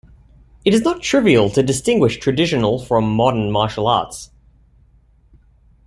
It is not trivial to distinguish "traditional" from "modern" martial arts.